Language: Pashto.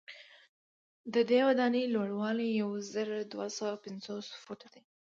ددې ودانۍ لوړوالی یو زر دوه سوه پنځوس فوټه دی.